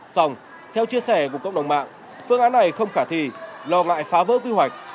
xong theo chia sẻ của cộng đồng mạng phương án này không khả thi lo ngại phá vỡ quy hoạch